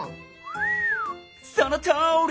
そのとおり！